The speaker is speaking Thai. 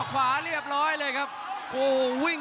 กรรมการเตือนทั้งคู่ครับ๖๖กิโลกรัม